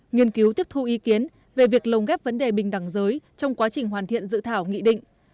nghiên cứu tiếp thu ý kiến về việc lồng ghép vấn đề bình đẳng giới trong quá trình hoàn thiện dự thảo nghị định